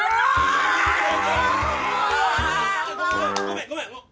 あごめんごめん